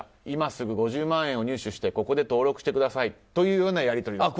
今すぐ５０万円を入手してここで登録してくださいというようなやり取り。